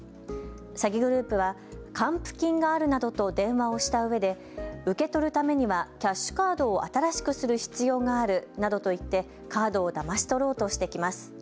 詐欺グループは還付金があるなどと電話をしたうえで、受け取るためにはキャッシュカードを新しくする必要があるなどと言ってカードをだまし取ろうとしてきます。